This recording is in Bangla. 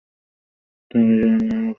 তার ইয়েমেনের শাসনকাল স্বল্পকালীন ছিল।